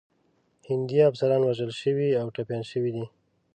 هندي افسران وژل شوي او ټپیان شوي دي.